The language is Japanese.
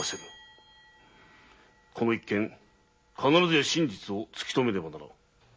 この一件必ずや真実を突き止めねばならない。